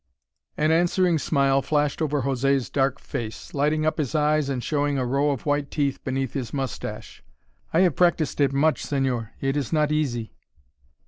An answering smile flashed over José's dark face, lighting up his eyes and showing a row of white teeth beneath his moustache. "I have practised it much, señor. It is not easy."